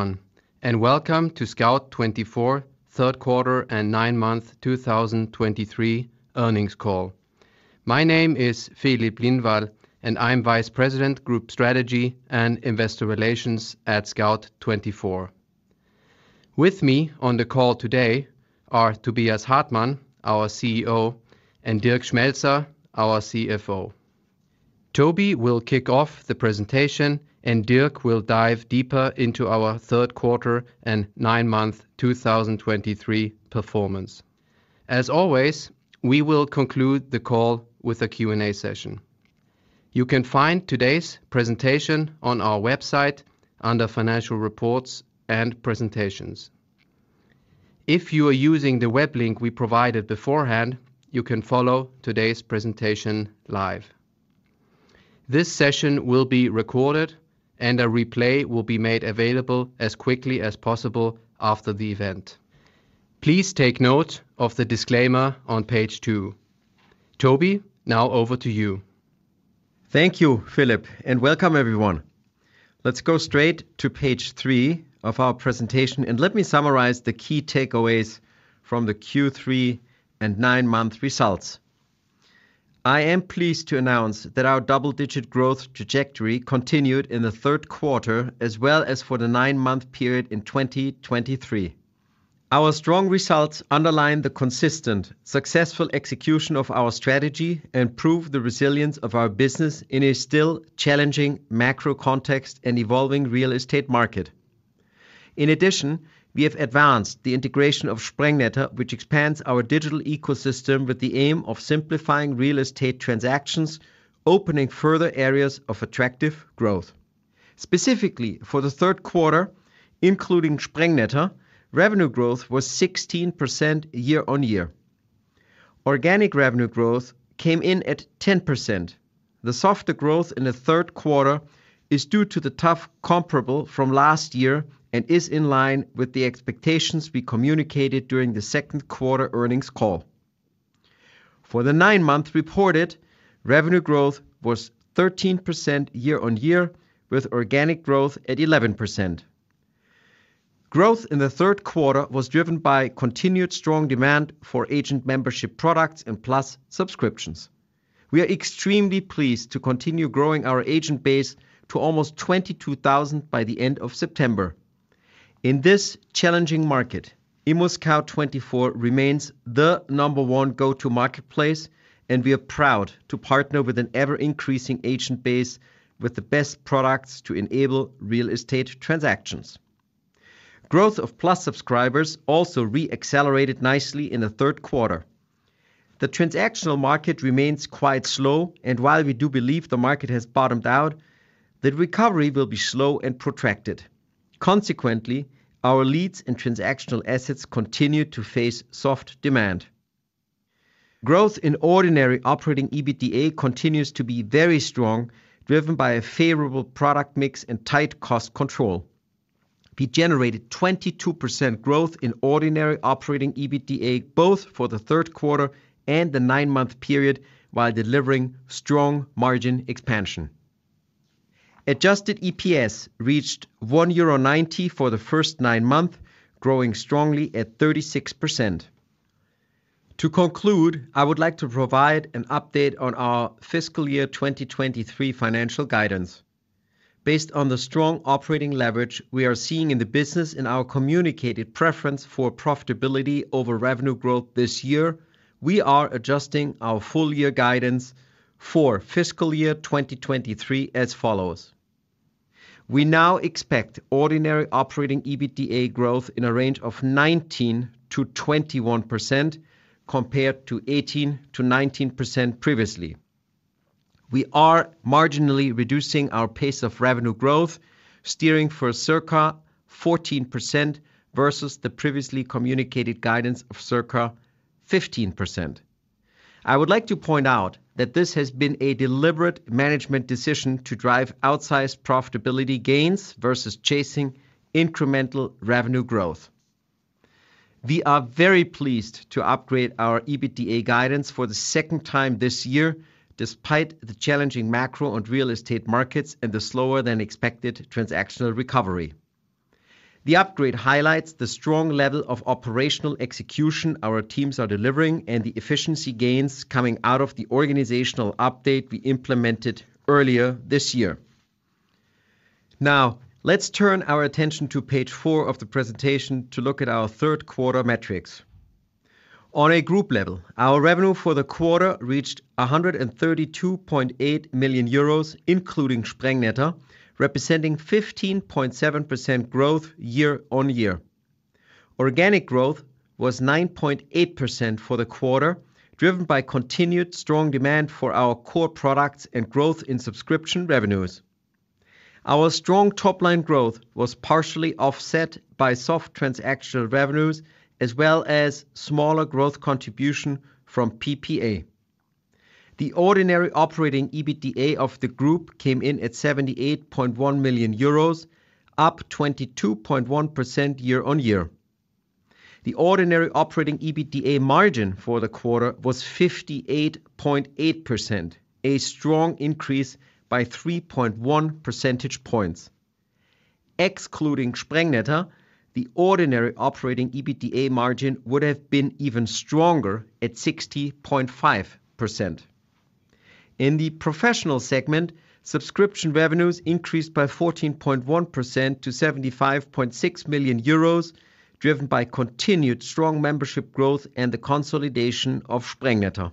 Everyone, and welcome to Scout24 Third Quarter and 9-month 2023 Earnings Call. My name is Filip Lindvall, and I'm Vice President, Group Strategy and Investor Relations at Scout24. With me on the call today are Tobias Hartmann, our CEO, and Dirk Schmelzer, our CFO. Toby will kick off the presentation, and Dirk will dive deeper into our third quarter and 9-month 2023 performance. As always, we will conclude the call with a Q&A session. You can find today's presentation on our website under Financial Reports and Presentations. If you are using the web link we provided beforehand, you can follow today's presentation live. This session will be recorded, and a replay will be made available as quickly as possible after the event. Please take note of the disclaimer on page two. Toby, now over to you. Thank you, Filip, and welcome, everyone. Let's go straight to page three of our presentation, and let me summarize the key takeaways from the Q3 and 9-month results. I am pleased to announce that our double-digit growth trajectory continued in the third quarter, as well as for the 9-month period in 2023. Our strong results underline the consistent, successful execution of our strategy and prove the resilience of our business in a still challenging macro context and evolving real estate market. In addition, we have advanced the integration of Sprengnetter, which expands our digital ecosystem with the aim of simplifying real estate transactions, opening further areas of attractive growth. Specifically for the third quarter, including Sprengnetter, revenue growth was 16% year-on-year. Organic revenue growth came in at 10%. The softer growth in the third quarter is due to the tough comparable from last year and is in line with the expectations we communicated during the second quarter earnings call. For the nine months reported, revenue growth was 13% year-on-year, with organic growth at 11%. Growth in the third quarter was driven by continued strong demand for agent membership products and Plus subscriptions. We are extremely pleased to continue growing our agent base to almost 22,000 by the end of September. In this challenging market, ImmoScout24 remains the number one go-to marketplace, and we are proud to partner with an ever-increasing agent base with the best products to enable real estate transactions. Growth of Plus subscribers also re-accelerated nicely in the third quarter. The transactional market remains quite slow, and while we do believe the market has bottomed out, the recovery will be slow and protracted. Consequently, our leads and transactional assets continue to face soft demand. Growth in ordinary operating EBITDA continues to be very strong, driven by a favorable product mix and tight cost control. We generated 22% growth in ordinary operating EBITDA, both for the third quarter and the nine-month period, while delivering strong margin expansion. Adjusted EPS reached 1.90 euro for the first nine months, growing strongly at 36%. To conclude, I would like to provide an update on our fiscal year 2023 financial guidance. Based on the strong operating leverage we are seeing in the business and our communicated preference for profitability over revenue growth this year, we are adjusting our full year guidance for fiscal year 2023 as follows: We now expect ordinary operating EBITDA growth in a range of 19%-21%, compared to 18%-19% previously. We are marginally reducing our pace of revenue growth, steering for circa 14% versus the previously communicated guidance of circa 15%. I would like to point out that this has been a deliberate management decision to drive outsized profitability gains versus chasing incremental revenue growth. We are very pleased to upgrade our EBITDA guidance for the second time this year, despite the challenging macro and real estate markets and the slower-than-expected transactional recovery. The upgrade highlights the strong level of operational execution our teams are delivering and the efficiency gains coming out of the organizational update we implemented earlier this year. Now, let's turn our attention to page four of the presentation to look at our third quarter metrics. On a group level, our revenue for the quarter reached 132.8 million euros, including Sprengnetter, representing 15.7% growth year-on-year. Organic growth was 9.8% for the quarter, driven by continued strong demand for our core products and growth in subscription revenues. Our strong top-line growth was partially offset by soft transactional revenues, as well as smaller growth contribution from PPA. The ordinary operating EBITDA of the group came in at 78.1 million euros, up 22.1% year-on-year. The ordinary operating EBITDA margin for the quarter was 58.8%, a strong increase by 3.1 percentage points. Excluding Sprengnetter, the ordinary operating EBITDA margin would have been even stronger at 60.5%. In the professional segment, subscription revenues increased by 14.1% to 75.6 million euros, driven by continued strong membership growth and the consolidation of Sprengnetter.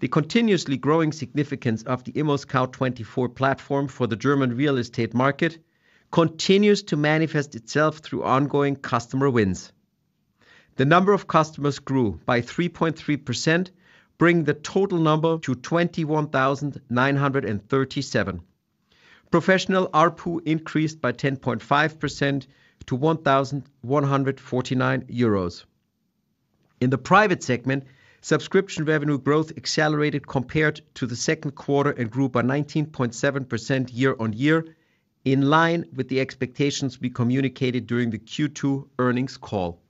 The continuously growing significance of the ImmoScout24 platform for the German real estate market continues to manifest itself through ongoing customer wins. The number of customers grew by 3.3%, bringing the total number to 21,937. Professional ARPU increased by 10.5% to 1,149 euros. In the private segment, subscription revenue growth accelerated compared to the second quarter and grew by 19.7% year-on-year, in line with the expectations we communicated during the Q2 earnings call.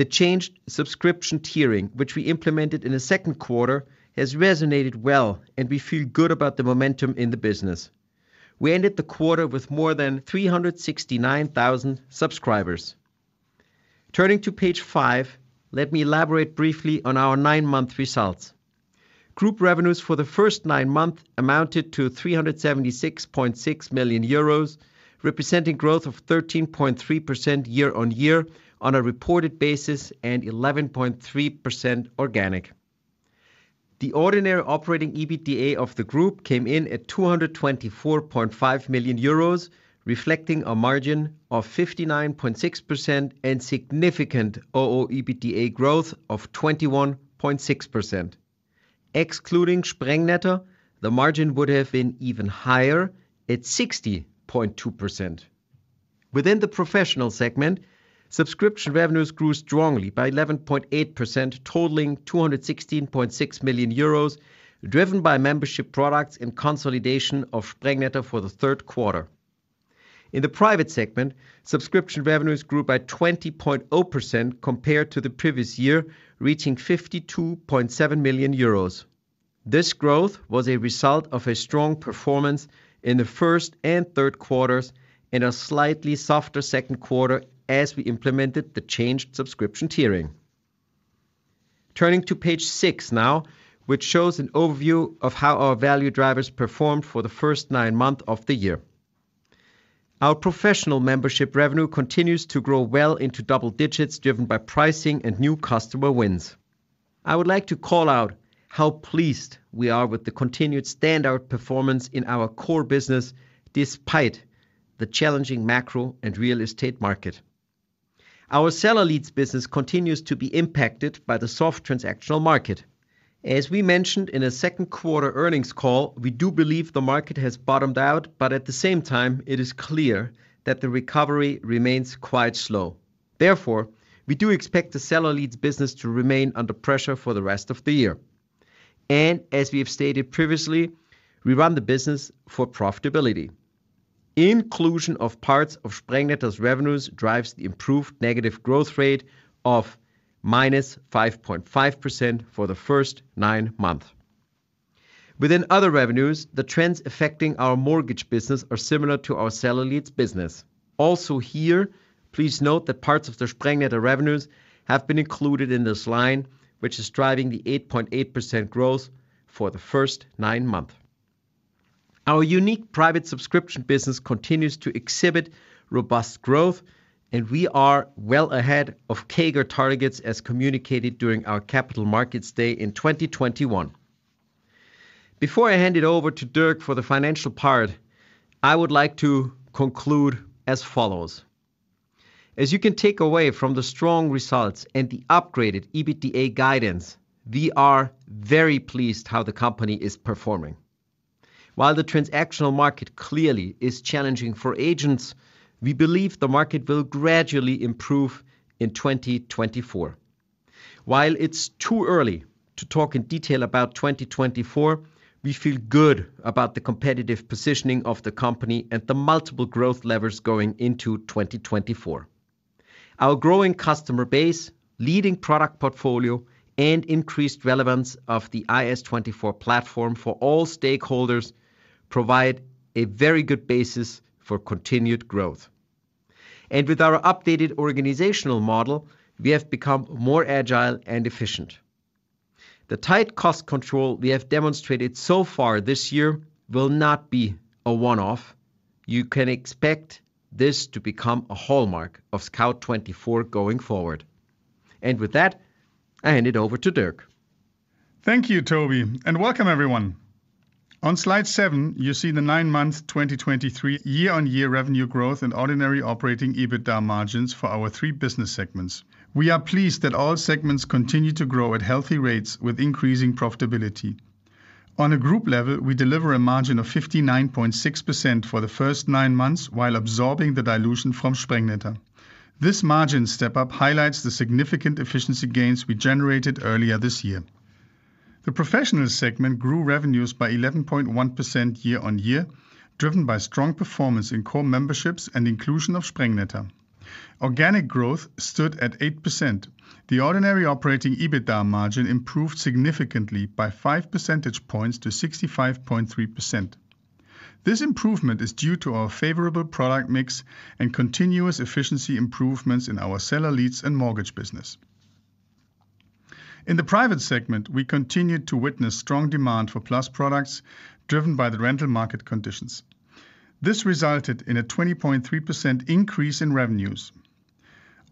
The changed subscription tiering, which we implemented in the second quarter, has resonated well, and we feel good about the momentum in the business. We ended the quarter with more than 369,000 subscribers. Turning to page five, let me elaborate briefly on our nine-month results. Group revenues for the first nine months amounted to 376.6 million euros, representing growth of 13.3% year-on-year on a reported basis, and 11.3% organic. The ordinary operating EBITDA of the group came in at 224.5 million euros, reflecting a margin of 59.6% and significant ooEBITDA growth of 21.6%. Excluding Sprengnetter, the margin would have been even higher at 60.2%. Within the professional segment, subscription revenues grew strongly by 11.8%, totaling 216.6 million euros, driven by membership products and consolidation of Sprengnetter for the third quarter. In the private segment, subscription revenues grew by 20.0% compared to the previous year, reaching 52.7 million euros. This growth was a result of a strong performance in the first and third quarters and a slightly softer second quarter as we implemented the changed subscription tiering. Turning to page six now, which shows an overview of how our value drivers performed for the first nine months of the year. Our professional membership revenue continues to grow well into double digits, driven by pricing and new customer wins. I would like to call out how pleased we are with the continued standout performance in our core business, despite the challenging macro and real estate market. Our seller leads business continues to be impacted by the soft transactional market. As we mentioned in the second quarter earnings call, we do believe the market has bottomed out, but at the same time, it is clear that the recovery remains quite slow. Therefore, we do expect the seller leads business to remain under pressure for the rest of the year. As we have stated previously, we run the business for profitability. Inclusion of parts of Sprengnetter's revenues drives the improved negative growth rate of -5.5% for the first nine months. Within other revenues, the trends affecting our mortgage business are similar to our seller leads business. Also here, please note that parts of the Sprengnetter revenues have been included in this line, which is driving the 8.8% growth for the first nine months. Our unique private subscription business continues to exhibit robust growth, and we are well ahead of CAGR targets as communicated during our Capital Markets Day in 2021. Before I hand it over to Dirk for the financial part, I would like to conclude as follows: As you can take away from the strong results and the upgraded EBITDA guidance, we are very pleased how the company is performing. While the transactional market clearly is challenging for agents, we believe the market will gradually improve in 2024. While it's too early to talk in detail about 2024, we feel good about the competitive positioning of the company and the multiple growth levers going into 2024. Our growing customer base, leading product portfolio, and increased relevance of the IS24 platform for all stakeholders provide a very good basis for continued growth. And with our updated organizational model, we have become more agile and efficient. The tight cost control we have demonstrated so far this year will not be a one-off. You can expect this to become a hallmark of Scout24 going forward. And with that, I hand it over to Dirk. Thank you, Toby, and welcome, everyone. On slide seven, you see the nine-month 2023 year-on-year revenue growth and ordinary operating EBITDA margins for our three business segments. We are pleased that all segments continue to grow at healthy rates with increasing profitability. On a group level, we deliver a margin of 59.6% for the first nine months while absorbing the dilution from Sprengnetter. This margin step-up highlights the significant efficiency gains we generated earlier this year... The Professional segment grew revenues by 11.1% year-on-year, driven by strong performance in core memberships and inclusion of Sprengnetter. Organic growth stood at 8%. The ordinary operating EBITDA margin improved significantly by five percentage points to 65.3%. This improvement is due to our favorable product mix and continuous efficiency improvements in our seller leads and mortgage business. In the Private segment, we continued to witness strong demand for Plus products, driven by the rental market conditions. This resulted in a 20.3% increase in revenues.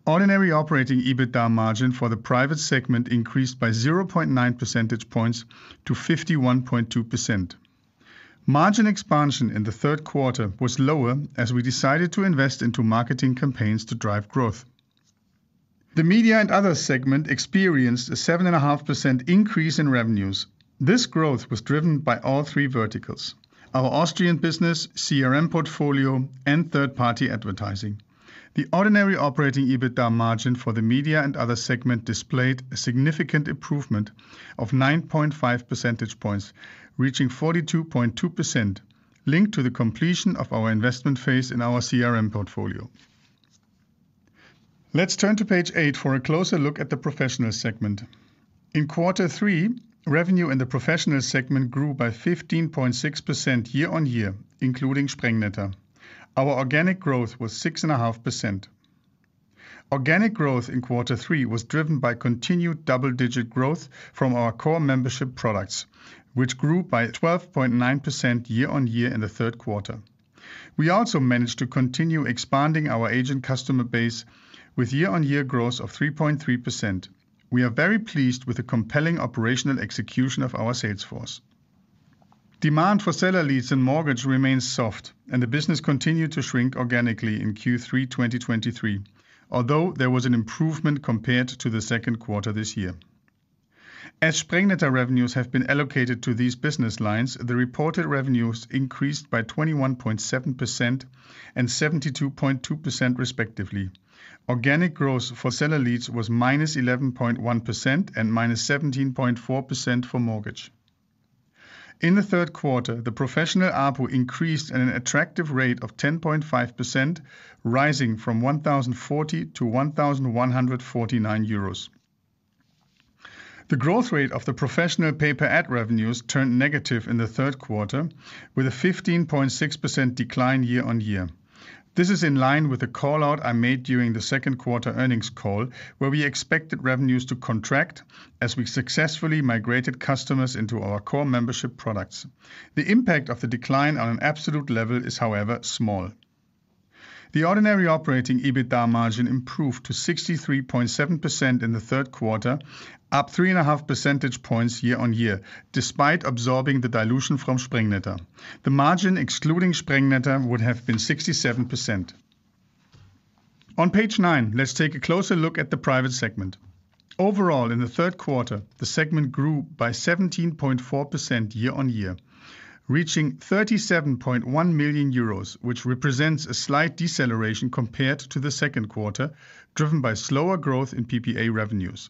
Ordinary operating EBITDA margin for the Private segment increased by 0.9 percentage points to 51.2%. Margin expansion in the third quarter was lower as we decided to invest into marketing campaigns to drive growth. The Media and Other segment experienced a 7.5% increase in revenues. This growth was driven by all three verticals: our Austrian business, CRM portfolio, and third-party advertising. The ordinary operating EBITDA margin for the Media and Other segment displayed a significant improvement of 9.5 percentage points, reaching 42.2%, linked to the completion of our investment phase in our CRM portfolio. Let's turn to page eight for a closer look at the Professional segment. In quarter three, revenue in the Professional segment grew by 15.6% year-on-year, including Sprengnetter. Our organic growth was 6.5%. Organic growth in quarter three was driven by continued double-digit growth from our core membership products, which grew by 12.9% year-on-year in the third quarter. We also managed to continue expanding our agent customer base with year-on-year growth of 3.3%. We are very pleased with the compelling operational execution of our sales force. Demand for seller leads and mortgage remains soft, and the business continued to shrink organically in Q3 2023, although there was an improvement compared to the second quarter this year. As Sprengnetter revenues have been allocated to these business lines, the reported revenues increased by 21.7% and 72.2% respectively. Organic growth for seller leads was -11.1% and -17.4% for mortgage. In the third quarter, the Professional ARPU increased at an attractive rate of 10.5%, rising from 1,040 to 1,149 euros. The growth rate of the Professional pay-per-ad revenues turned negative in the third quarter, with a 15.6% decline year-on-year. This is in line with the call-out I made during the second quarter earnings call, where we expected revenues to contract as we successfully migrated customers into our core membership products. The impact of the decline on an absolute level is, however, small. The ordinary operating EBITDA margin improved to 63.7% in the third quarter, up 3.5 percentage points year-over-year, despite absorbing the dilution from Sprengnetter. The margin, excluding Sprengnetter, would have been 67%. On page nine, let's take a closer look at the Private segment. Overall, in the third quarter, the segment grew by 17.4% year-over-year, reaching 37.1 million euros, which represents a slight deceleration compared to the second quarter, driven by slower growth in PPA revenues.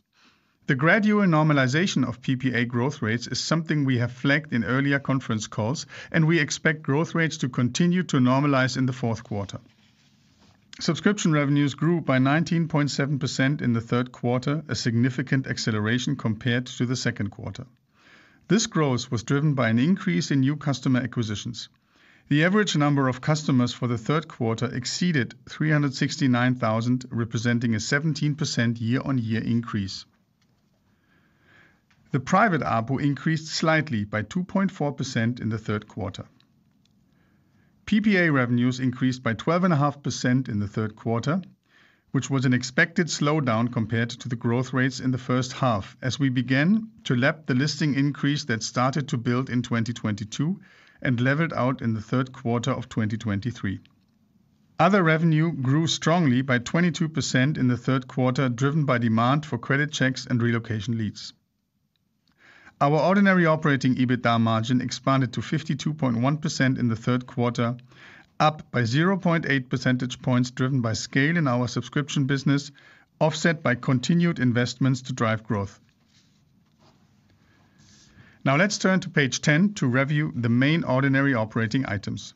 The gradual normalization of PPA growth rates is something we have flagged in earlier conference calls, and we expect growth rates to continue to normalize in the fourth quarter. Subscription revenues grew by 19.7% in the third quarter, a significant acceleration compared to the second quarter. This growth was driven by an increase in new customer acquisitions. The average number of customers for the third quarter exceeded 369,000, representing a 17% year-on-year increase. The Private ARPU increased slightly by 2.4% in the third quarter. PPA revenues increased by 12.5% in the third quarter, which was an expected slowdown compared to the growth rates in the first half, as we began to lap the listing increase that started to build in 2022 and leveled out in the third quarter of 2023. Other revenue grew strongly by 22% in the third quarter, driven by demand for credit checks and relocation leads. Our ordinary operating EBITDA margin expanded to 52.1% in the third quarter, up by 0.8 percentage points, driven by scale in our subscription business, offset by continued investments to drive growth. Now, let's turn to page ten to review the main ordinary operating items.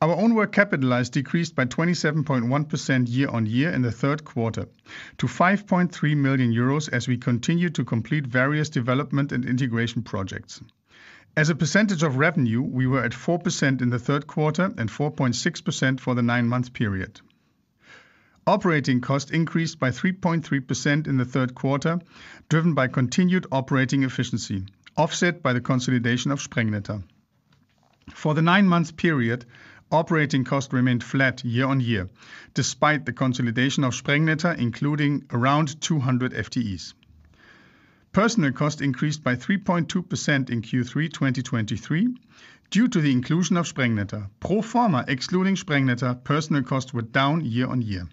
Our own work capitalized decreased by 27.1% year-on-year in the third quarter to 5.3 million euros, as we continue to complete various development and integration projects. As a percentage of revenue, we were at 4% in the third quarter and 4.6% for the nine-month period. Operating costs increased by 3.3% in the third quarter, driven by continued operating efficiency, offset by the consolidation of Sprengnetter. For the nine-month period, operating costs remained flat year-on-year, despite the consolidation of Sprengnetter, including around 200 FTEs. Personnel costs increased by 3.2% in Q3 2023 due to the inclusion of Sprengnetter. Pro forma, excluding Sprengnetter, personnel costs were down year-on-year.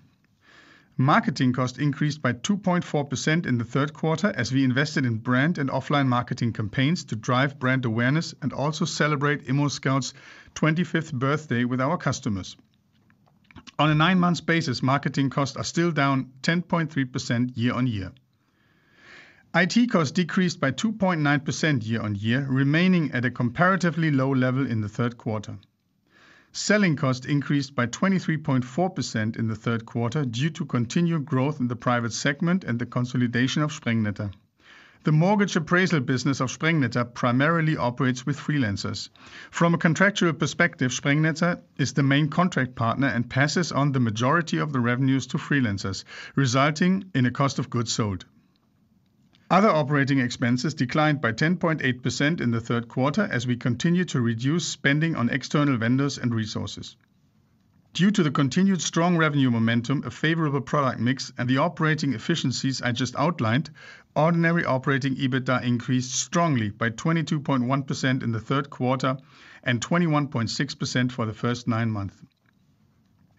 Marketing costs increased by 2.4% in the third quarter as we invested in brand and offline marketing campaigns to drive brand awareness and also celebrate ImmoScout's 25th birthday with our customers. On a nine-month basis, marketing costs are still down 10.3% year-on-year. IT costs decreased by 2.9% year-over-year, remaining at a comparatively low level in the third quarter. Selling costs increased by 23.4% in the third quarter due to continued growth in the Private segment and the consolidation of Sprengnetter. The mortgage appraisal business of Sprengnetter primarily operates with freelancers. From a contractual perspective, Sprengnetter is the main contract partner and passes on the majority of the revenues to freelancers, resulting in a cost of goods sold. Other operating expenses declined by 10.8% in the third quarter, as we continue to reduce spending on external vendors and resources. Due to the continued strong revenue momentum, a favorable product mix, and the operating efficiencies I just outlined, ordinary operating EBITDA increased strongly by 22.1% in the third quarter and 21.6% for the first nine months.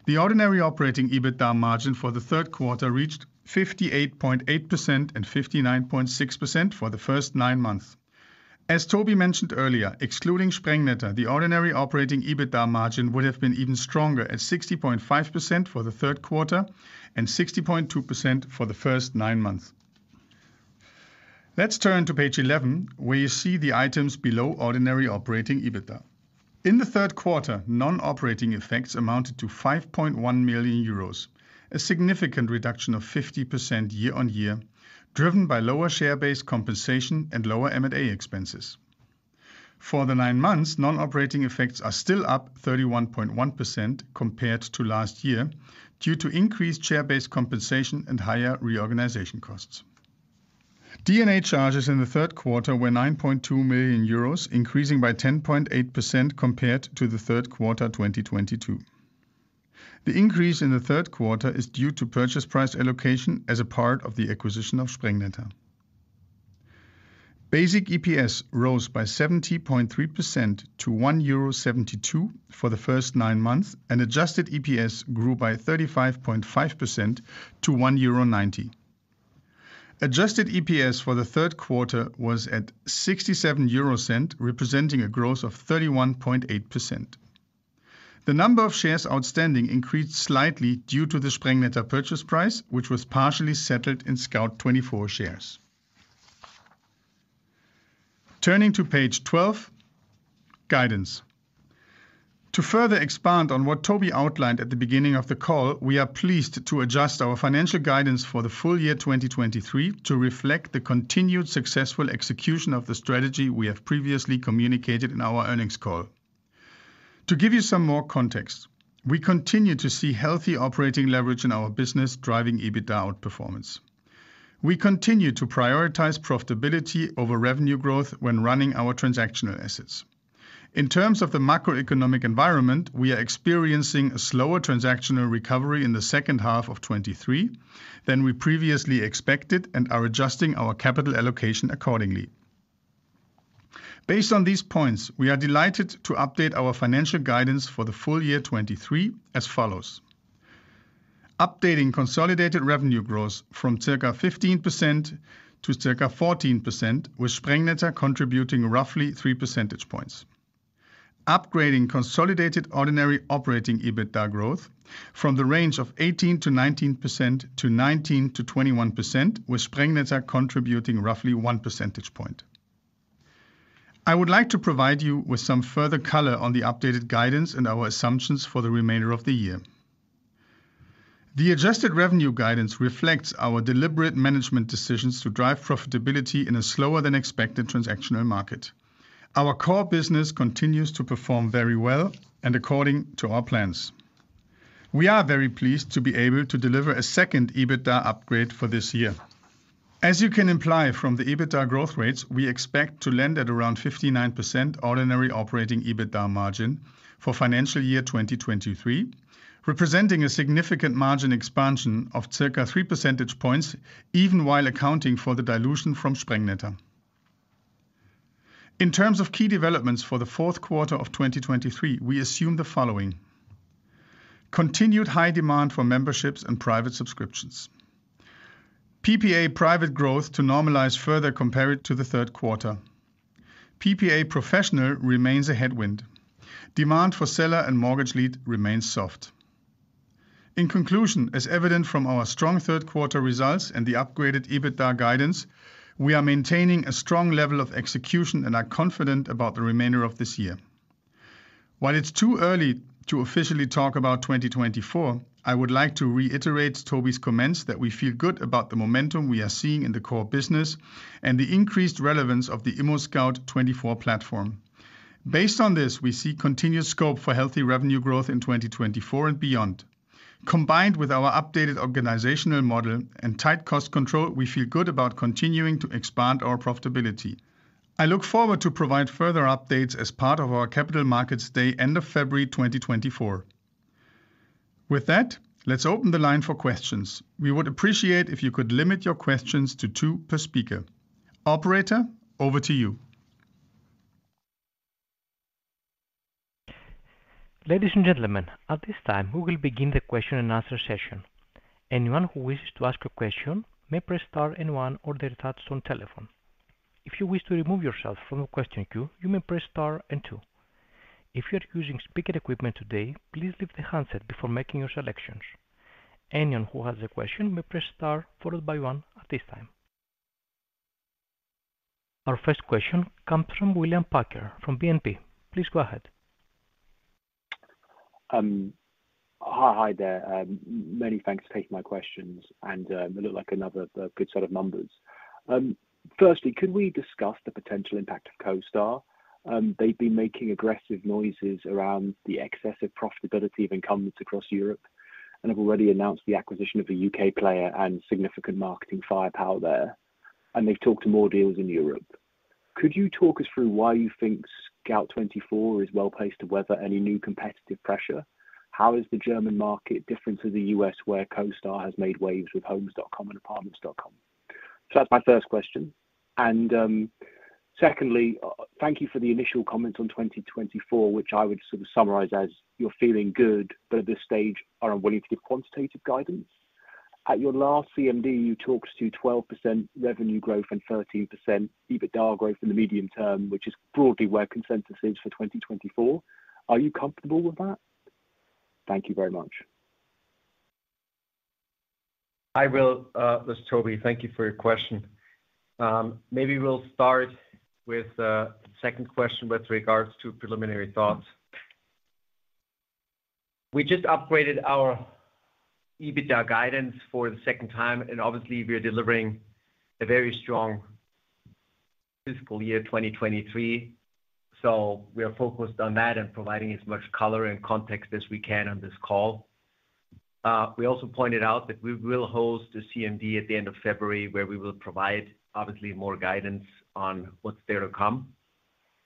The ordinary operating EBITDA margin for the third quarter reached 58.8% and 59.6% for the first nine months. As Toby mentioned earlier, excluding Sprengnetter, the ordinary operating EBITDA margin would have been even stronger, at 60.5% for the third quarter and 60.2% for the first nine months. Let's turn to page 11, where you see the items below ordinary operating EBITDA. In the third quarter, non-operating effects amounted to 5.1 million euros, a significant reduction of 50% year-over-year, driven by lower share-based compensation and lower M&A expenses. For the nine months, non-operating effects are still up 31.1% compared to last year, due to increased share-based compensation and higher reorganization costs. D&A charges in the third quarter were 9.2 million euros, increasing by 10.8% compared to the third quarter 2022. The increase in the third quarter is due to purchase price allocation as a part of the acquisition of Sprengnetter. Basic EPS rose by 70.3% to 1.72 euro for the first nine months, and adjusted EPS grew by 35.5% to 1.90 euro. Adjusted EPS for the third quarter was at 0.67, representing a growth of 31.8%. The number of shares outstanding increased slightly due to the Sprengnetter purchase price, which was partially settled in Scout24 shares. Turning to page 12, Guidance. To further expand on what Toby outlined at the beginning of the call, we are pleased to adjust our financial guidance for the full year 2023 to reflect the continued successful execution of the strategy we have previously communicated in our earnings call. To give you some more context, we continue to see healthy operating leverage in our business, driving EBITDA outperformance. We continue to prioritize profitability over revenue growth when running our transactional assets. In terms of the macroeconomic environment, we are experiencing a slower transactional recovery in the second half of 2023 than we previously expected and are adjusting our capital allocation accordingly. Based on these points, we are delighted to update our financial guidance for the full year 2023 as follows: updating consolidated revenue growth from circa 15% to circa 14%, with Sprengnetter contributing roughly 3 percentage points. Upgrading consolidated ordinary operating EBITDA growth from the range of 18%-19% to 19%-21%, with Sprengnetter contributing roughly 1 percentage point. I would like to provide you with some further color on the updated guidance and our assumptions for the remainder of the year. The adjusted revenue guidance reflects our deliberate management decisions to drive profitability in a slower-than-expected transactional market. Our core business continues to perform very well and according to our plans. We are very pleased to be able to deliver a second EBITDA upgrade for this year. As you can imply from the EBITDA growth rates, we expect to land at around 59% ordinary operating EBITDA margin for financial year 2023, representing a significant margin expansion of circa 3 percentage points, even while accounting for the dilution from Sprengnetter. In terms of key developments for the fourth quarter of 2023, we assume the following: continued high demand for memberships and Private subscriptions. PPA Private growth to normalize further compared to the third quarter. PPA Professional remains a headwind. Demand for seller and mortgage lead remains soft. In conclusion, as evident from our strong third quarter results and the upgraded EBITDA guidance, we are maintaining a strong level of execution and are confident about the remainder of this year. While it's too early to officially talk about 2024, I would like to reiterate Toby's comments that we feel good about the momentum we are seeing in the core business and the increased relevance of the ImmoScout24 platform. Based on this, we see continued scope for healthy revenue growth in 2024 and beyond. Combined with our updated organizational model and tight cost control, we feel good about continuing to expand our profitability. I look forward to provide further updates as part of our Capital Markets Day, end of February 2024. With that, let's open the line for questions. We would appreciate if you could limit your questions to two per speaker. Operator, over to you. Ladies and gentlemen, at this time, we will begin the question and answer session. Anyone who wishes to ask a question may press star and one on their touch-tone telephone. ... If you wish to remove yourself from the question queue, you may press star and two. If you are using speaker equipment today, please leave the handset before making your selections. Anyone who has a question may press star, followed by one at this time. Our first question comes from William Packer from BNP. Please go ahead. Hi, hi there. Many thanks for taking my questions, and it looked like another good set of numbers. Firstly, could we discuss the potential impact of CoStar? They've been making aggressive noises around the excessive profitability of incumbents across Europe and have already announced the acquisition of a U.K. player and significant marketing firepower there, and they've talked to more deals in Europe. Could you talk us through why you think Scout24 is well-placed to weather any new competitive pressure? How is the German market different to the U.S., where CoStar has made waves with Homes.com and Apartments.com? So that's my first question. Secondly, thank you for the initial comment on 2024, which I would sort of summarize as: you're feeling good but at this stage are unwilling to give quantitative guidance. At your last CMD, you talked to 12% revenue growth and 13% EBITDA growth in the medium term, which is broadly where consensus is for 2024. Are you comfortable with that? Thank you very much. Hi, Will. This is Toby. Thank you for your question. Maybe we'll start with the second question with regards to preliminary thoughts. We just upgraded our EBITDA guidance for the second time, and obviously, we are delivering a very strong fiscal year 2023, so we are focused on that and providing as much color and context as we can on this call. We also pointed out that we will host a CMD at the end of February, where we will provide obviously more guidance on what's there to come.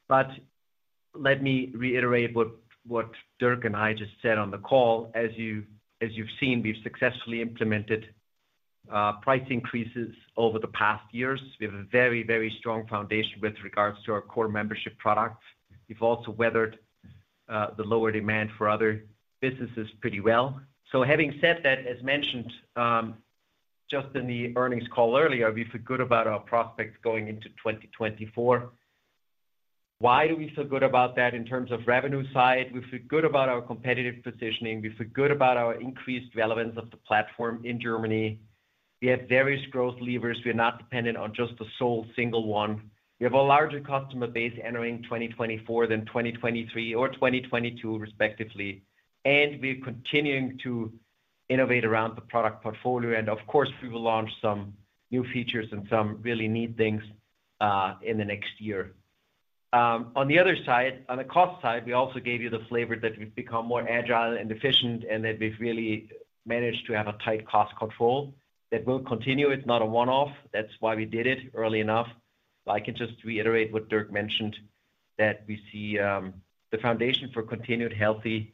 But let me reiterate what Dirk and I just said on the call. As you've seen, we've successfully implemented price increases over the past years. We have a very, very strong foundation with regards to our core membership products. We've also weathered the lower demand for other businesses pretty well. Having said that, as mentioned, just in the earnings call earlier, we feel good about our prospects going into 2024. Why do we feel good about that? In terms of revenue side, we feel good about our competitive positioning, we feel good about our increased relevance of the platform in Germany. We have various growth levers. We are not dependent on just the sole single one. We have a larger customer base entering 2024 than 2023 or 2022, respectively, and we're continuing to innovate around the product portfolio. And of course, we will launch some new features and some really neat things in the next year. On the other side, on the cost side, we also gave you the flavor that we've become more agile and efficient and that we've really managed to have a tight cost control that will continue. It's not a one-off. That's why we did it early enough. I can just reiterate what Dirk mentioned, that we see the foundation for continued healthy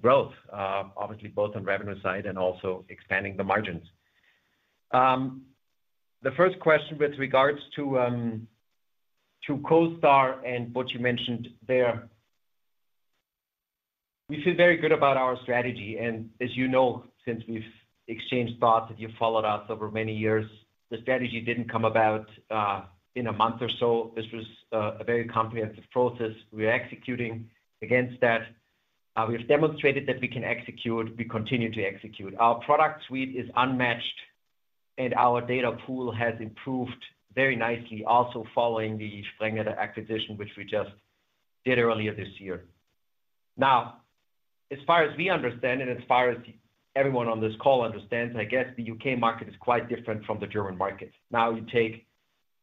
growth, obviously both on revenue side and also expanding the margins. The first question with regards to CoStar and what you mentioned there. We feel very good about our strategy, and as you know, since we've exchanged thoughts and you've followed us over many years, the strategy didn't come about in a month or so. This was a very comprehensive process. We're executing against that. We've demonstrated that we can execute. We continue to execute. Our product suite is unmatched, and our data pool has improved very nicely, also following the Sprengnetter acquisition, which we just did earlier this year. Now, as far as we understand and as far as everyone on this call understands, I guess the U.K. market is quite different from the German market. Now, you take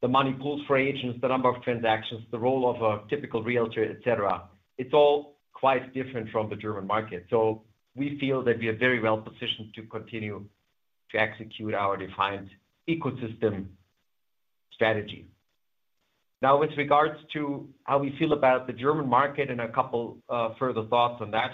the money pools for agents, the number of transactions, the role of a typical realtor, et cetera. It's all quite different from the German market. So we feel that we are very well positioned to continue to execute our defined ecosystem strategy. Now, with regards to how we feel about the German market and a couple, further thoughts on that.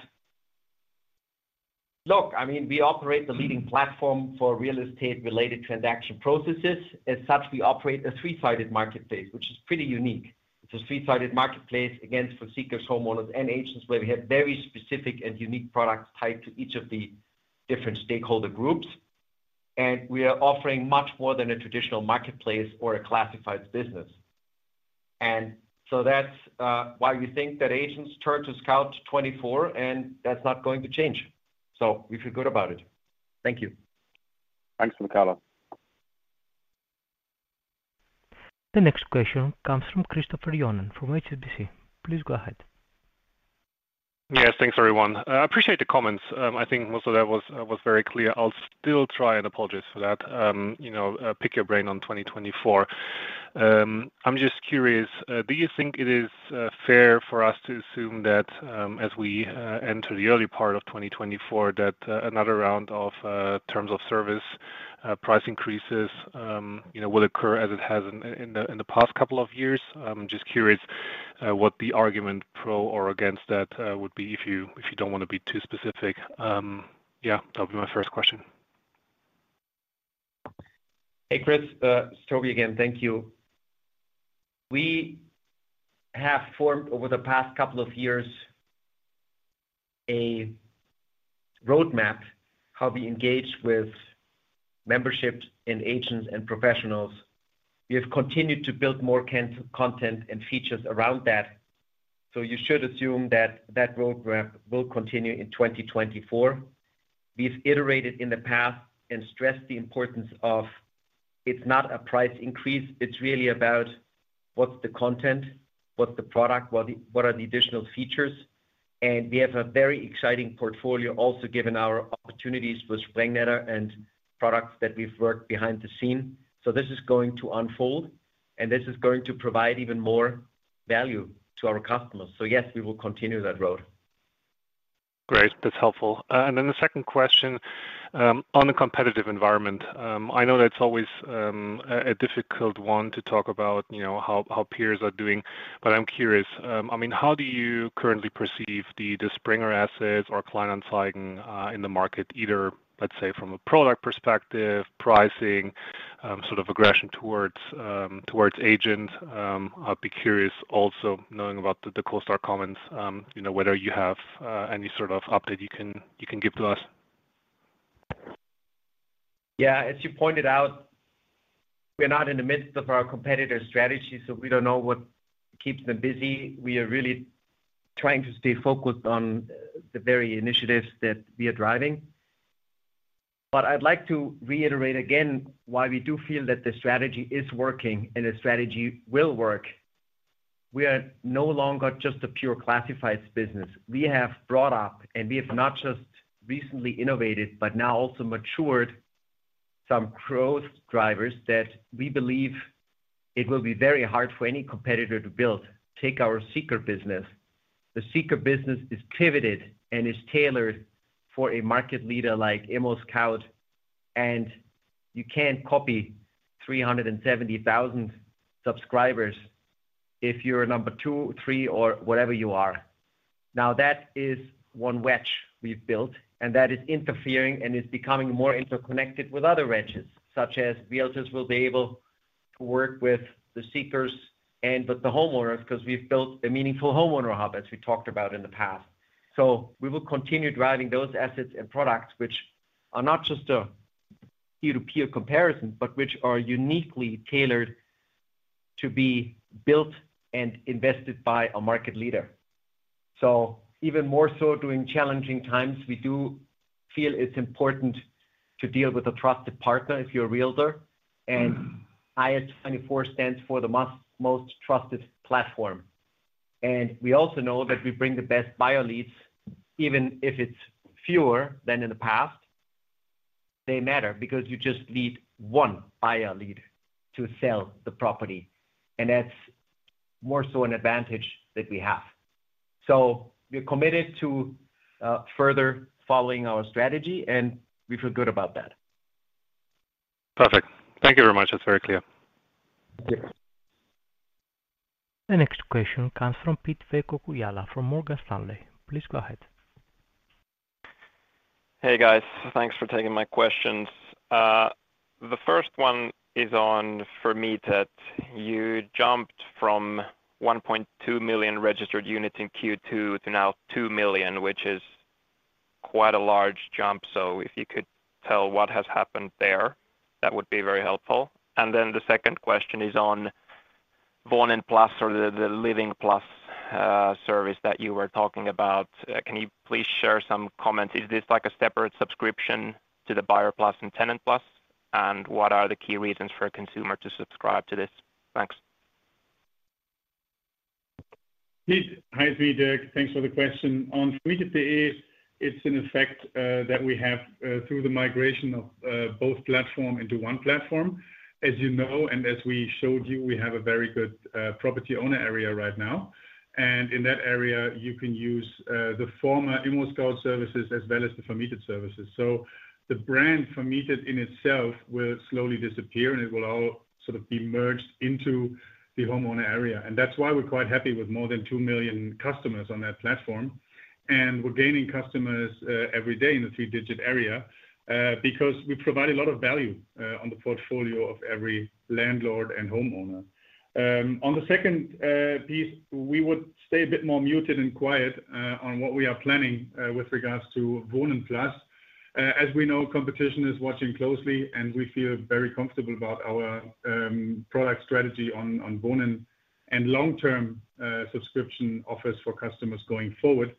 Look, I mean, we operate the leading platform for real estate-related transaction processes. As such, we operate a three-sided marketplace, which is pretty unique. It's a three-sided marketplace against for seekers, homeowners, and agents, where we have very specific and unique products tied to each of the different stakeholder groups, and we are offering much more than a traditional marketplace or a classified business. And so that's why we think that agents turn to Scout24, and that's not going to change. So we feel good about it. Thank you. Thanks, Michele. The next question comes from Christopher Johnen from HSBC. Please go ahead. Yes, thanks, everyone. I appreciate the comments. I think most of that was very clear. I'll still try and apologize for that. You know, pick your brain on 2024. I'm just curious, do you think it is fair for us to assume that, as we enter the early part of 2024, that another round of terms of service price increases, you know, will occur as it has in the past couple of years? I'm just curious, what the argument pro or against that would be if you, if you don't want to be too specific. Yeah, that'll be my first question. Hey, Chris, it's Toby again. Thank you. We have formed over the past couple of years a roadmap, how we engage with memberships and agents and professionals. We have continued to build more content and features around that, so you should assume that that roadmap will continue in 2024. We've iterated in the past and stressed the importance of it's not a price increase, it's really about what's the content, what's the product, what, what are the additional features? And we have a very exciting portfolio also given our opportunities with Sprengnetter and products that we've worked behind the scenes. So this is going to unfold, and this is going to provide even more value to our customers. So yes, we will continue that road. Great, that's helpful. And then the second question, on the competitive environment. I know that's always a difficult one to talk about, you know, how peers are doing, but I'm curious. I mean, how do you currently perceive the Springer assets or Kleinanzeigen, in the market, either, let's say, from a product perspective, pricing, sort of aggression towards agents? I'll be curious also knowing about the CoStar comments, you know, whether you have any sort of update you can give to us. Yeah, as you pointed out, we're not in the midst of our competitor strategy, so we don't know what keeps them busy. We are really trying to stay focused on the very initiatives that we are driving. But I'd like to reiterate again, why we do feel that the strategy is working and the strategy will work. We are no longer just a pure classified business. We have brought up, and we have not just recently innovated, but now also matured some growth drivers that we believe it will be very hard for any competitor to build. Take our seeker business. The seeker business is pivoted and is tailored for a market leader like ImmoScout, and you can't copy 370,000 subscribers if you're number two, three, or whatever you are. Now, that is one wedge we've built, and that is offering, and it's becoming more interconnected with other wedges, such as realtors will be able to work with the seekers and with the homeowners, because we've built a meaningful homeowner hub, as we talked about in the past. So we will continue driving those assets and products, which are not just a peer-to-peer comparison, but which are uniquely tailored to be built and invested by a market leader. So even more so during challenging times, we do feel it's important to deal with a trusted partner if you're a realtor. And ImmoScout24 stands for the most, most trusted platform. We also know that we bring the best buyer leads, even if it's fewer than in the past, they matter because you just need one buyer lead to sell the property, and that's more so an advantage that we have. So we're committed to further following our strategy, and we feel good about that. Perfect. Thank you very much. That's very clear. Thank you. The next question comes from Pete-Ola Engström from Morgan Stanley. Please go ahead. Hey, guys. Thanks for taking my questions. The first one is on, for me, that you jumped from 1.2 million registered units in Q2 to now 2 million, which is quite a large jump. So if you could tell what has happened there, that would be very helpful. Then the second question is on Wohnen Plus or the Living Plus service that you were talking about. Can you please share some comments? Is this like a separate subscription to the Buyer Plus and Tenant Plus? And what are the key reasons for a consumer to subscribe to this? Thanks. Pete. Hi, it's me, Dirk. Thanks for the question. On Vermietet, it's an effect that we have through the migration of both platform into one platform. As you know, and as we showed you, we have a very good property owner area right now, and in that area, you can use the former ImmoScout services as well as the Vermietet services. So the brand Vermietet in itself will slowly disappear, and it will all sort of be merged into the homeowner area. And that's why we're quite happy with more than 2 million customers on that platform. And we're gaining customers every day in the three-digit area because we provide a lot of value on the portfolio of every landlord and homeowner. On the second piece, we would stay a bit more muted and quiet on what we are planning with regards to Wohnen Plus. As we know, competition is watching closely, and we feel very comfortable about our product strategy on Wohnen and long-term subscription offers for customers going forward.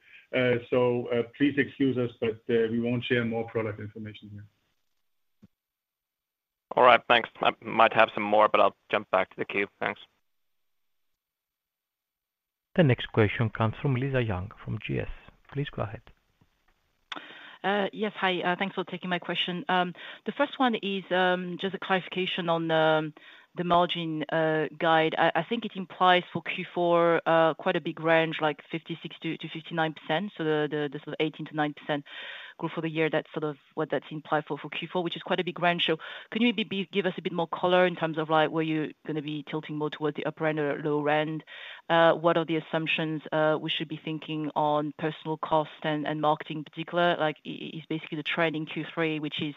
So, please excuse us, but we won't share more product information here. All right, thanks. I might have some more, but I'll jump back to the queue. Thanks. The next question comes from Lisa Yang, from GS. Please go ahead. Yes. Hi, thanks for taking my question. The first one is just a clarification on the margin guide. I think it implies for Q4 quite a big range, like 56%-59%. So this is 18%-9% growth for the year. That's sort of what that's implied for Q4, which is quite a big range. So can you maybe give us a bit more color in terms of like where you're gonna be tilting more towards the upper end or lower end? What are the assumptions we should be thinking on personnel costs and marketing in particular, like is basically the trend in Q3, which is ...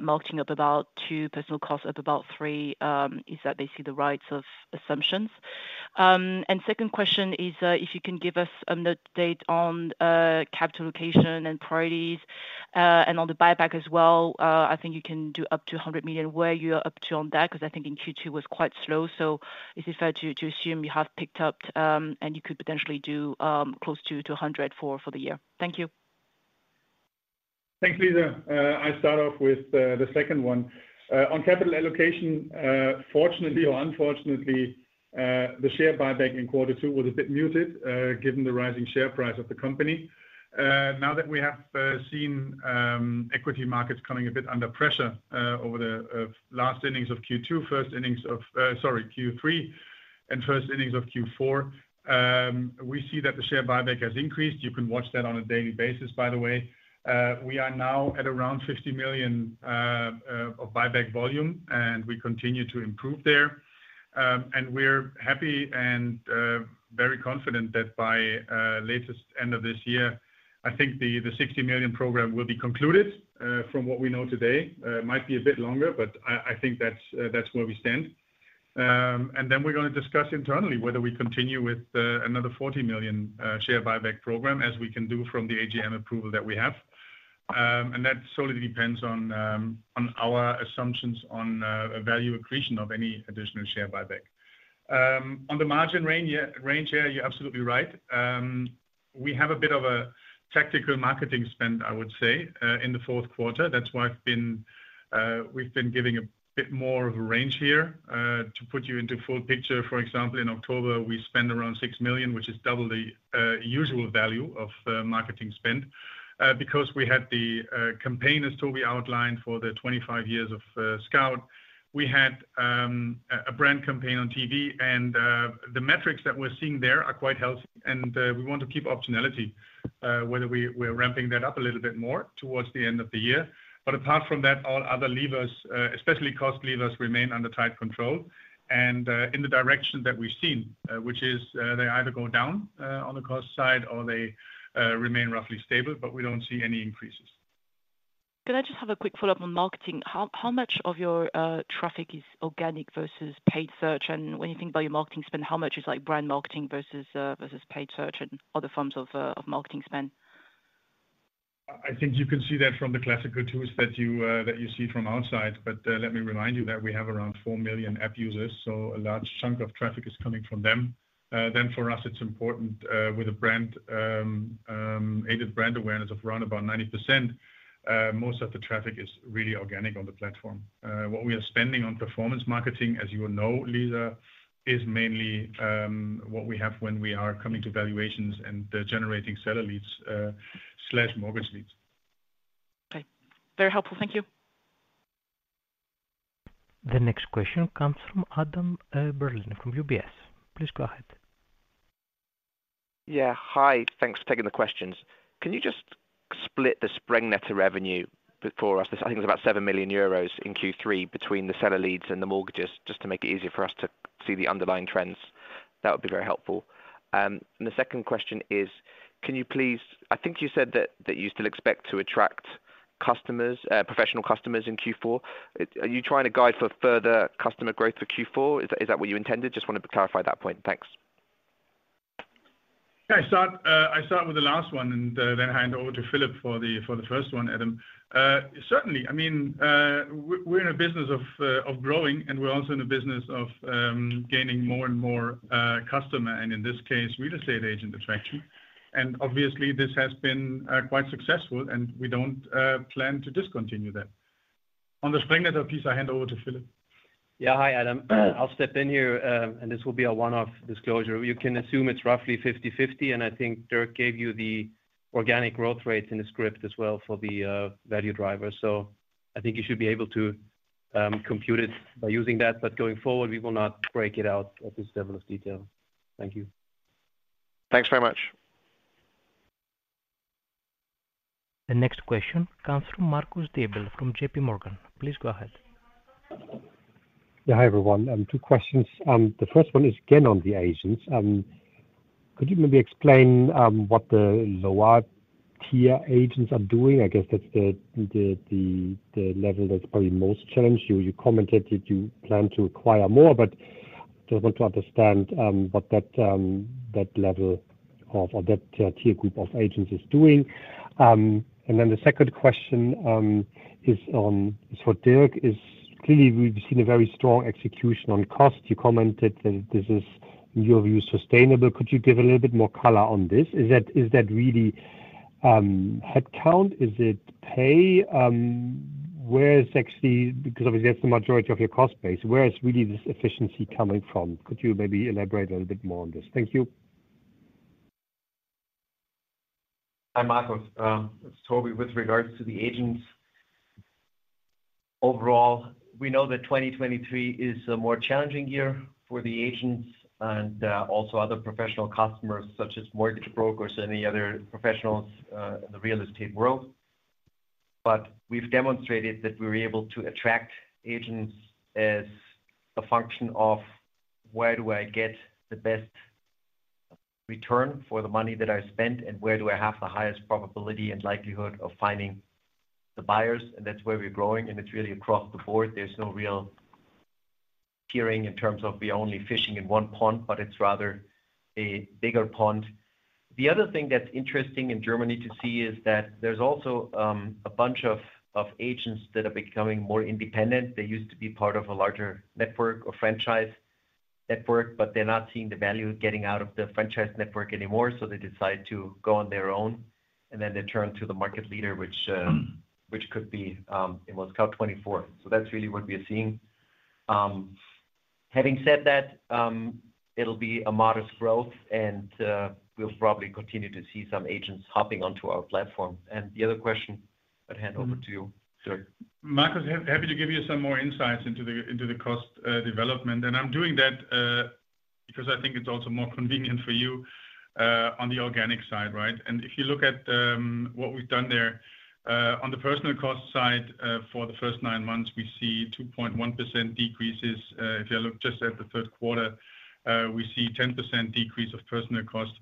marketing up about two, personnel costs up about three, is that basically the right set of assumptions? And second question is, if you can give us an update on capital allocation and priorities, and on the buyback as well. I think you can do up to 100 million. Where are you up to on that? Because I think Q2 was quite slow, so is it fair to assume you have picked up, and you could potentially do close to 100 million for the year? Thank you. Thanks, Lisa. I start off with the second one. On capital allocation, fortunately or unfortunately, the share buyback in quarter two was a bit muted, given the rising share price of the company. Now that we have seen equity markets coming a bit under pressure, over the last innings of Q2, first innings of-- sorry, Q3 and first innings of Q4, we see that the share buyback has increased. You can watch that on a daily basis, by the way. We are now at around 50 million of buyback volume, and we continue to improve there. And we're happy and very confident that by latest end of this year, I think the 60 million program will be concluded, from what we know today. It might be a bit longer, but I, I think that's, that's where we stand. And then we're gonna discuss internally whether we continue with, another 40 million, share buyback program, as we can do from the AGM approval that we have. And that solely depends on, on our assumptions on, a value accretion of any additional share buyback. On the margin range, range here, you're absolutely right. We have a bit of a tactical marketing spend, I would say, in the fourth quarter. That's why I've been... we've been giving a bit more of a range here. To put you into full picture, for example, in October, we spent around 6 million, which is double the usual value of marketing spend, because we had the campaign, as Toby outlined, for the 25 years of Scout. We had a brand campaign on TV, and the metrics that we're seeing there are quite healthy, and we want to keep optionality, whether we're ramping that up a little bit more towards the end of the year. But apart from that, all other levers, especially cost levers, remain under tight control and in the direction that we've seen, which is they either go down on the cost side or they remain roughly stable, but we don't see any increases. Can I just have a quick follow-up on marketing? How much of your traffic is organic versus paid search? And when you think about your marketing spend, how much is like brand marketing versus paid search and other forms of marketing spend? I think you can see that from the classical tools that you, that you see from outside. But, let me remind you that we have around 4 million app users, so a large chunk of traffic is coming from them. Then for us, it's important, with a brand, aided brand awareness of around about 90%, most of the traffic is really organic on the platform. What we are spending on performance marketing, as you will know, Lisa, is mainly, what we have when we are coming to valuations and, generating seller leads/mortgage leads. Okay. Very helpful. Thank you. The next question comes from Adam Berlin, from UBS. Please go ahead. Yeah, hi. Thanks for taking the questions. Can you just split the Sprengnetter revenue for us? I think it's about 7 million euros in Q3 between the seller leads and the mortgages, just to make it easier for us to see the underlying trends. That would be very helpful. And the second question is, can you please, I think you said that, that you still expect to attract customers, professional customers in Q4. Are you trying to guide for further customer growth for Q4? Is that, is that what you intended? Just wanted to clarify that point. Thanks. Yeah. I start with the last one and then hand over to Filip for the first one, Adam. Certainly, I mean, we're in a business of growing, and we're also in a business of gaining more and more customer, and in this case, real estate agent attraction. And obviously, this has been quite successful, and we don't plan to discontinue that. On the Sprengnetter piece, I'll hand over to Filip. Yeah. Hi, Adam. I'll step in here, and this will be a one-off disclosure. You can assume it's roughly 50/50, and I think Dirk gave you the organic growth rates in the script as well for the value driver. So I think you should be able to compute it by using that. But going forward, we will not break it out at this level of detail. Thank you. Thanks very much. The next question comes from Marcus Diebel from JPMorgan. Please go ahead. Yeah. Hi, everyone. Two questions. The first one is, again, on the agents. Could you maybe explain what the lower tier agents are doing? I guess that's the level that's probably most challenged you. You commented that you plan to acquire more, but I just want to understand what that level of or that tier group of agents is doing. And then the second question is on... So Dirk is—clearly, we've seen a very strong execution on cost. You commented that this is, in your view, sustainable. Could you give a little bit more color on this? Is that, is that really headcount? Is it pay? Where is actually... Because obviously, that's the majority of your cost base. Where is really this efficiency coming from? Could you maybe elaborate a little bit more on this? Thank you. Hi, Marcus. It's Toby. With regards to the agents, overall, we know that 2023 is a more challenging year for the agents and also other professional customers such as mortgage brokers and the other professionals in the real estate world. But we've demonstrated that we're able to attract agents as a function of where do I get the best return for the money that I spent, and where do I have the highest probability and likelihood of finding the buyers? And that's where we're growing, and it's really across the board. There's no real tiering in terms of we're only fishing in one pond, but it's rather a bigger pond. The other thing that's interesting in Germany to see is that there's also a bunch of agents that are becoming more independent. They used to be part of a larger network or franchise network, but they're not seeing the value of getting out of the franchise network anymore, so they decide to go on their own, and then they turn to the market leader, which could be it was Scout24. So that's really what we are seeing. Having said that, it'll be a modest growth and we'll probably continue to see some agents hopping onto our platform. The other question, I'd hand over to you, Dirk. Marcus, I'm happy to give you some more insights into the cost development. And I'm doing that because I think it's also more convenient for you on the organic side, right? And if you look at what we've done there on the personnel cost side for the first nine months, we see 2.1% decreases. If you look just at the third quarter, we see 10% decrease of personnel costs.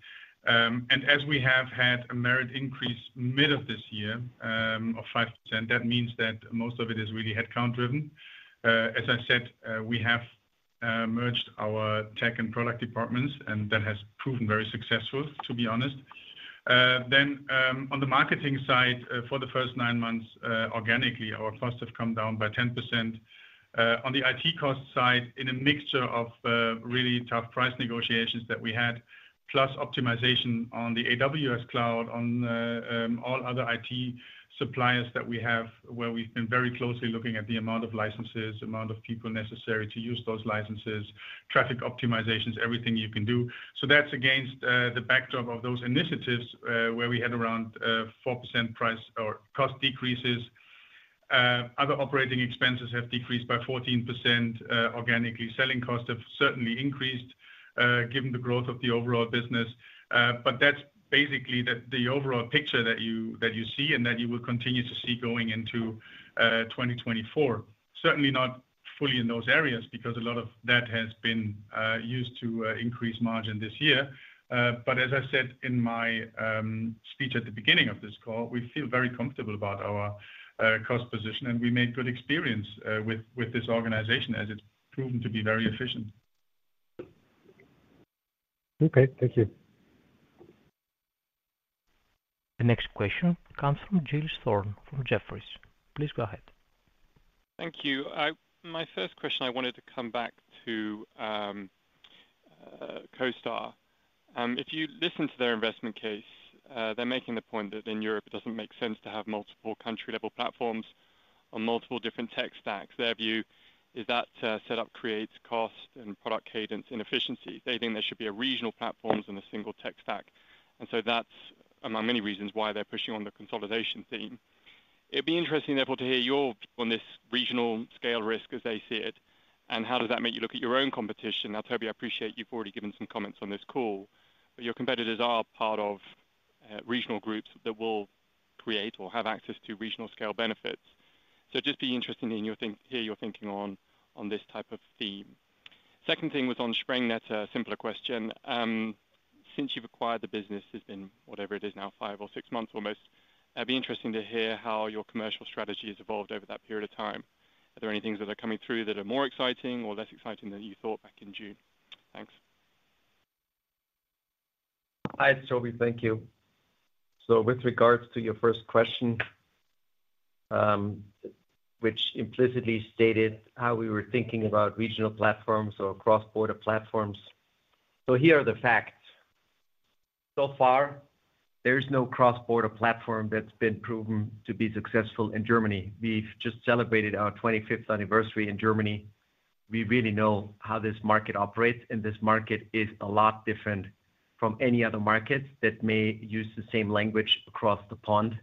And as we have had a merit increase mid of this year of 5%, that means that most of it is really headcount driven. As I said, we have merged our tech and product departments, and that has proven very successful, to be honest. Then, on the marketing side, for the first nine months, organically, our costs have come down by 10%. On the IT cost side, in a mixture of really tough price negotiations that we had, plus optimization on the AWS cloud, on all other IT suppliers that we have, where we've been very closely looking at the amount of licenses, amount of people necessary to use those licenses, traffic optimizations, everything you can do. So that's against the backdrop of those initiatives, where we had around 4% price or cost decreases. Other operating expenses have decreased by 14%, organically. Selling costs have certainly increased, given the growth of the overall business. But that's basically the, the overall picture that you, that you see and that you will continue to see going into 2024. Certainly not fully in those areas, because a lot of that has been used to increase margin this year. But as I said in my speech at the beginning of this call, we feel very comfortable about our cost position, and we made good experience with this organization as it's proven to be very efficient. Okay, thank you. The next question comes from Giles Thorne, from Jefferies. Please go ahead. Thank you. My first question, I wanted to come back to CoStar. If you listen to their investment case, they're making the point that in Europe, it doesn't make sense to have multiple country-level platforms on multiple different tech stacks. Their view is that setup creates cost and product cadence inefficiency. They think there should be a regional platforms and a single tech stack. And so that's among many reasons why they're pushing on the consolidation theme. It'd be interesting, therefore, to hear your view on this regional scale risk as they see it, and how does that make you look at your own competition? Now, Toby, I appreciate you've already given some comments on this call, but your competitors are part of regional groups that will create or have access to regional scale benefits. So I'd just be interested in your thinking on, on this type of theme. Second thing was on Sprengnetter, a simpler question. Since you've acquired the business, it's been whatever it is now, five or six months almost. It'd be interesting to hear how your commercial strategy has evolved over that period of time. Are there any things that are coming through that are more exciting or less exciting than you thought back in June? Thanks. Hi, Toby. Thank you. With regards to your first question, which implicitly stated how we were thinking about regional platforms or cross-border platforms. Here are the facts. So far, there's no cross-border platform that's been proven to be successful in Germany. We've just celebrated our 25th anniversary in Germany. We really know how this market operates, and this market is a lot different from any other markets that may use the same language across the pond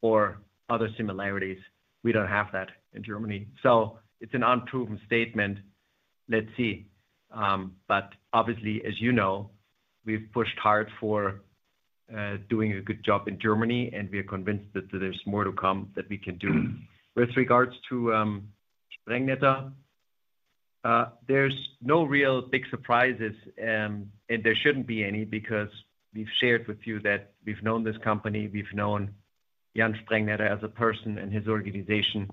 or other similarities. We don't have that in Germany. So it's an unproven statement. Let's see. But obviously, as you know, we've pushed hard for doing a good job in Germany, and we are convinced that there's more to come that we can do. With regards to Sprengnetter, there's no real big surprises, and there shouldn't be any because we've shared with you that we've known this company, we've known Jan Sprengnetter as a person and his organization.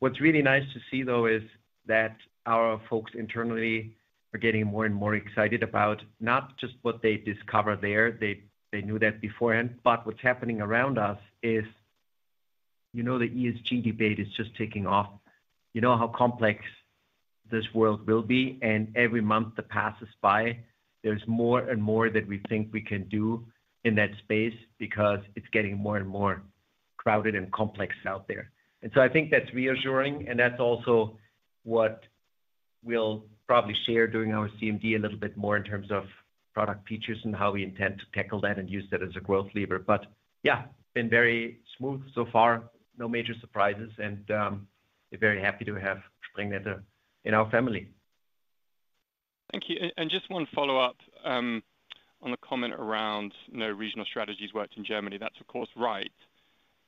What's really nice to see, though, is that our folks internally are getting more and more excited about not just what they discover there, they, they knew that beforehand, but what's happening around us is, you know, the ESG debate is just taking off. You know how complex this world will be, and every month that passes by, there's more and more that we think we can do in that space because it's getting more and more crowded and complex out there. So I think that's reassuring, and that's also what we'll probably share during our CMD a little bit more in terms of product features and how we intend to tackle that and use that as a growth lever. But yeah, been very smooth so far. No major surprises, and we're very happy to have Sprengnetter in our family. Thank you. And just one follow-up on the comment around no regional strategies worked in Germany. That's, of course, right.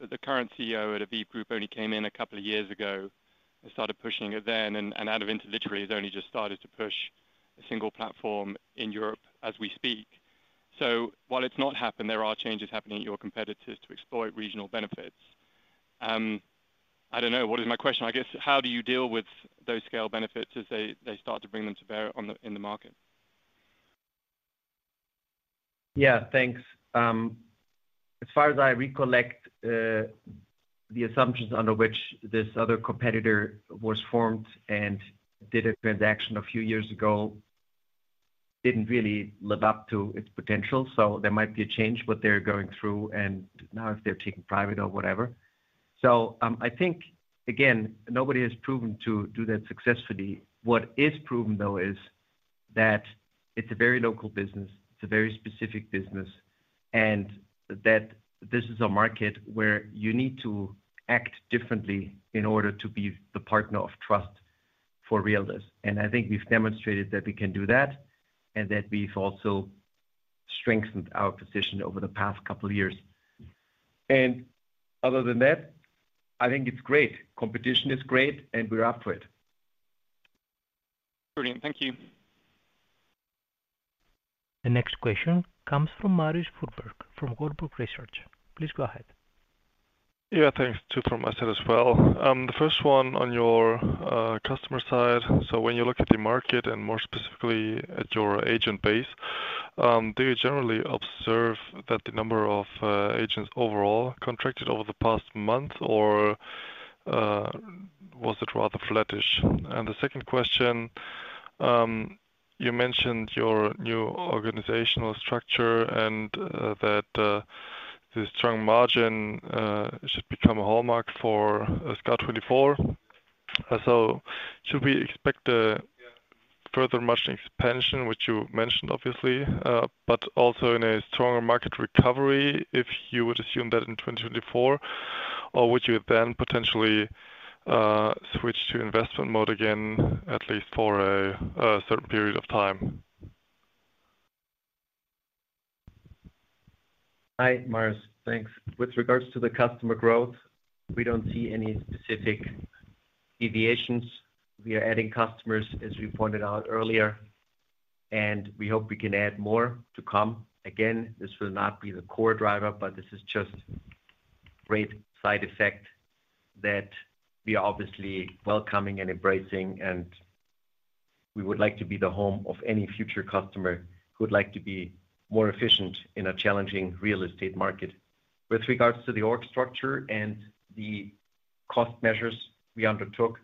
The current CEO at Aviv Group only came in a couple of years ago and started pushing it then, and interestingly, he's only just started to push a single platform in Europe as we speak. So while it's not happened, there are changes happening at your competitors to exploit regional benefits. I don't know. What is my question? I guess, how do you deal with those scale benefits as they start to bring them to bear on the in the market? Yeah, thanks. As far as I recollect, the assumptions under which this other competitor was formed and did a transaction a few years ago didn't really live up to its potential, so there might be a change, what they're going through and now if they're taking private or whatever. So, I think, again, nobody has proven to do that successfully. What is proven, though, is that it's a very local business, it's a very specific business, and that this is a market where you need to act differently in order to be the partner of trust for realtors. And I think we've demonstrated that we can do that, and that we've also strengthened our position over the past couple of years. And other than that, I think it's great. Competition is great, and we're up for it. Brilliant. Thank you. The next question comes from Marius Fuhrberg, from Warburg Research. Please go ahead. Yeah, thanks. Two from my side as well. The first one on your customer side. So when you look at the market and more specifically at your agent base, do you generally observe that the number of agents overall contracted over the past month or was it rather flattish? And the second question, you mentioned your new organizational structure and that the strong margin should become a hallmark for Scout24. So should we expect a further margin expansion, which you mentioned, obviously, but also in a stronger market recovery, if you would assume that in 2024, or would you then potentially switch to investment mode again, at least for a certain period of time? Hi, Marius. Thanks. With regards to the customer growth, we don't see any specific deviations. We are adding customers, as we pointed out earlier, and we hope we can add more to come. Again, this will not be the core driver, but this is just great side effect that we are obviously welcoming and embracing, and we would like to be the home of any future customer who would like to be more efficient in a challenging real estate market. With regards to the org structure and the cost measures we undertook,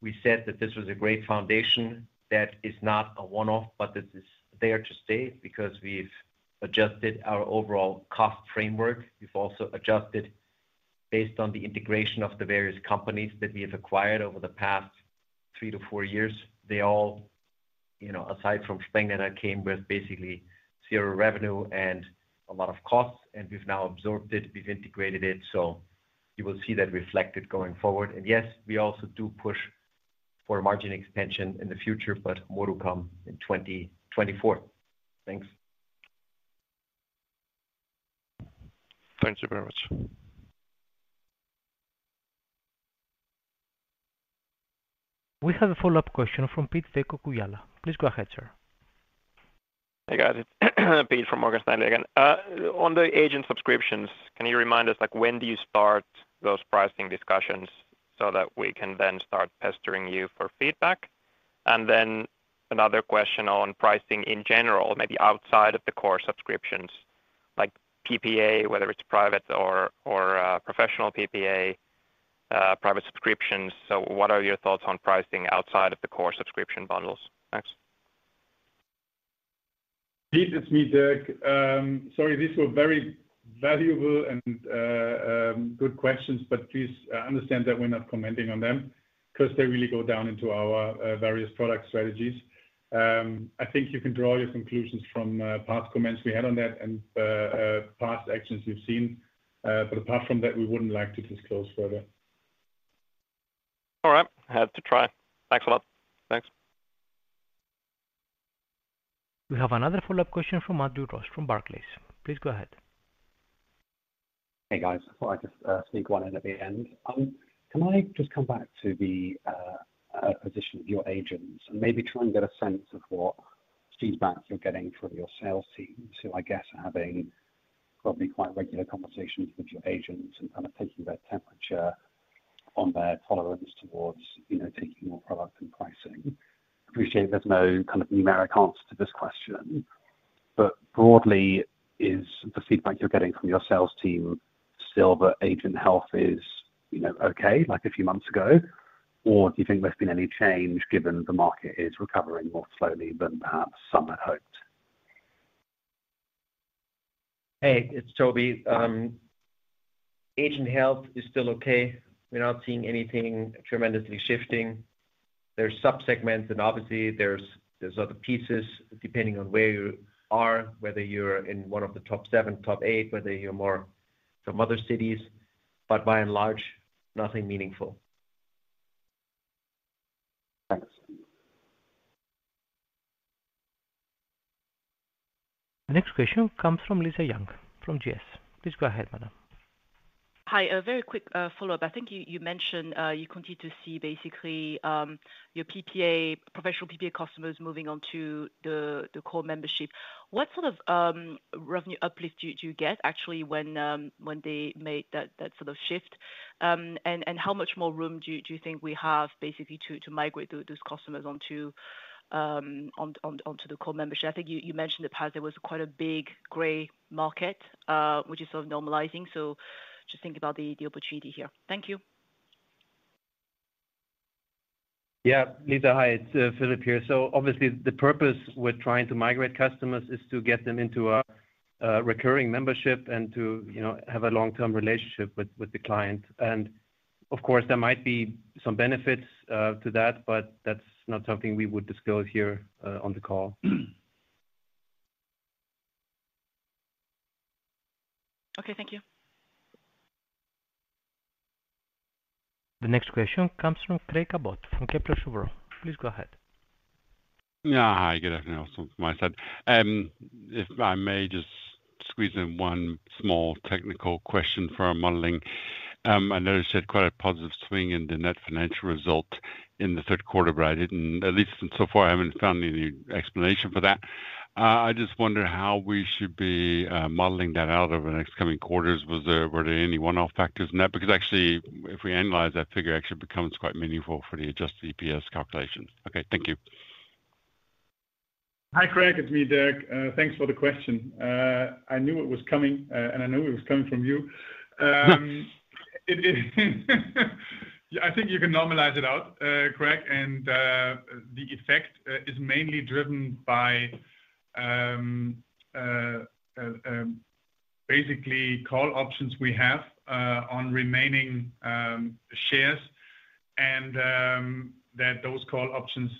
we said that this was a great foundation. That is not a one-off, but this is there to stay because we've adjusted our overall cost framework. We've also adjusted based on the integration of the various companies that we have acquired over the past three to four years. They all, you know, aside from Sprengnetter that I came with, basically zero revenue and a lot of costs, and we've now absorbed it, we've integrated it, so you will see that reflected going forward. Yes, we also do push for margin expansion in the future, but more to come in 2024. Thanks. Thank you very much. We have a follow-up question from Pete-Ola Engström. Please go ahead, sir. Hey, guys, it's Pete from Morgan Stanley again. On the agent subscriptions, can you remind us, like, when do you start those pricing discussions so that we can then start pestering you for feedback? And then another question on pricing in general, maybe outside of the core subscriptions, like PPA, whether it's Private or Professional PPA, Private subscriptions. So what are your thoughts on pricing outside of the core subscription bundles? Thanks. Pete, it's me, Dirk. Sorry, these were very valuable and good questions, but please understand that we're not commenting on them because they really go down into our various product strategies. I think you can draw your conclusions from past comments we had on that and past actions you've seen, but apart from that, we wouldn't like to disclose further. All right. I had to try. Thanks a lot. Thanks. We have another follow-up question from Andrew Ross, from Barclays. Please go ahead. Hey, guys. I thought I'd just sneak one in at the end. Can I just come back to the position of your agents and maybe try and get a sense of what feedback you're getting from your sales teams, who I guess are having probably quite regular conversations with your agents and kind of taking their temperature on their tolerance towards, you know, taking more product and pricing? Appreciate there's no kind of numeric answer to this question, but broadly, is the feedback you're getting from your sales team still that agent health is, you know, okay, like a few months ago? Or do you think there's been any change given the market is recovering more slowly than perhaps some had hoped? Hey, it's Toby. Agent health is still okay. We're not seeing anything tremendously shifting. There's subsegments, and obviously, there's other pieces, depending on where you are, whether you're in one of the top seven, top eight, whether you're more some other cities, but by and large, nothing meaningful. Thanks.... The next question comes from Lisa Yang, from GS. Please go ahead, madam. Hi, a very quick follow-up. I think you mentioned you continue to see basically your PPA Professional PPA customers moving on to the core membership. What sort of revenue uplift do you get actually when they make that sort of shift? And how much more room do you think we have basically to migrate those customers onto the core membership? I think you mentioned in the past there was quite a big gray market which is sort of normalizing. So just think about the opportunity here. Thank you. Yeah. Lisa, hi, it's Filip here. So obviously the purpose with trying to migrate customers is to get them into a recurring membership and to, you know, have a long-term relationship with the client. And of course, there might be some benefits to that, but that's not something we would disclose here on the call. Okay. Thank you. The next question comes from Craig Abbott, from Kepler Cheuvreux. Please go ahead. Yeah. Hi, good afternoon also from my side. If I may just squeeze in one small technical question for our modeling. I noticed you had quite a positive swing in the net financial result in the third quarter, but at least so far, I haven't found any explanation for that. I just wonder how we should be modeling that out over the next coming quarters. Were there any one-off factors in that? Because actually, if we analyze, that figure actually becomes quite meaningful for the adjusted EPS calculations. Okay, thank you. Hi, Craig, it's me, Dirk. Thanks for the question. I knew it was coming, and I knew it was coming from you. It is—I think you can normalize it out, Craig, and the effect is mainly driven by basically call options we have on remaining shares and that those call options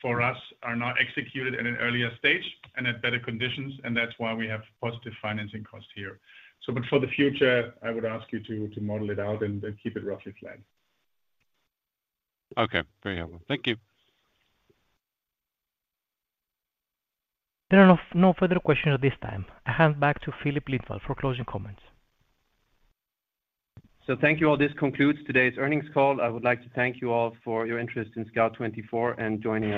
for us are not executed at an earlier stage and at better conditions, and that's why we have positive financing costs here. So but for the future, I would ask you to model it out and keep it roughly flat. Okay. Very helpful. Thank you. There are no, no further questions at this time. I hand back to Filip Lindvall for closing comments. Thank you, all. This concludes today's earnings call. I would like to thank you all for your interest in Scout24 and joining us-